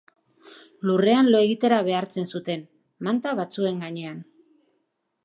Lurrean lo egitera behartzen zuten, manta batzuen gainean.